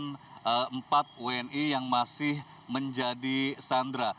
pemerintah akan membebaskan empat uni yang masih menjadi sandara